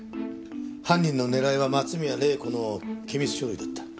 犯人の狙いは松宮玲子の機密書類だった。